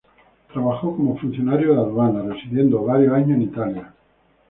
Trabajó como funcionario de aduanas, residiendo varios años en Italia.